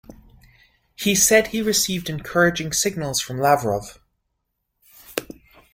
He said he received encouraging signals from Lavrov.